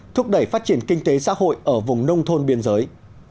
thúc đẩy phát triển kinh tế xã hội ở vùng nông thôn biên giới